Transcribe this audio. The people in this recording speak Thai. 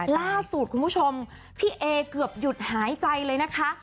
ล่าสูตรคุณผู้ชมพี่เอ๋เกือบหายใจเลยนะคะ